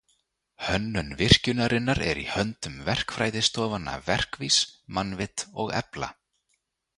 Hönnun virkjunarinnar er í höndum verkfræðistofanna Verkís, Mannvit og Efla.